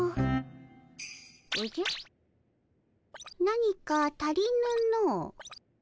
何か足りぬの。